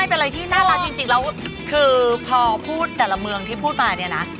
เป็นอะไรที่น่ารักจริงแล้วคือพอพูดแต่ละเมืองที่พูดมาเนี่ยนะ